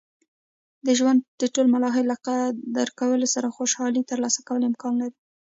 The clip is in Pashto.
د ژوند د ټول مراحل له قدر کولو سره خوشحالي ترلاسه کول امکان لري.